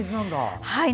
はい。